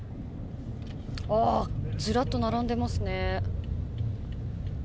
ずらっと並んでいますね。